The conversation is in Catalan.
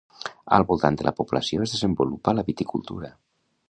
Al voltant de la població es desenvolupa la viticultura.